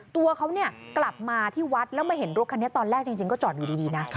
ตัวเขากลับมาที่วัดแล้วมาเห็นรถคันนี้ตอนแรกจริงก็จอดอยู่ดีนะ